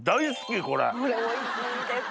これおいしいです。